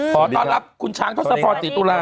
พอต้อนรับคุณช้างทดสรรฟอร์ตฎิตุรา